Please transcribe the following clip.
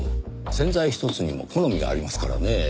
洗剤ひとつにも好みがありますからねぇ。